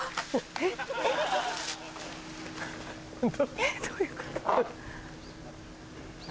えっどういうこと？